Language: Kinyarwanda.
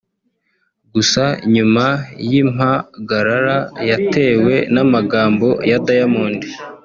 Gusa nyuma y’impagarara yatewe n’amagambo ya Diamond